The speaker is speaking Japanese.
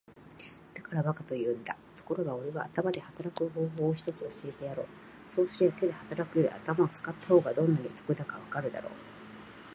「だから馬鹿と言うんだ。ところがおれは頭で働く方法を一つ教えてやろう。そうすりゃ手で働くより頭を使った方がどんなに得だかわかるだろう。」